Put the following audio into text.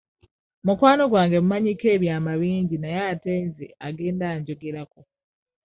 Mukwano gwange mmumanyiiko ebyama bingi naye ate nze agenda anjogerako.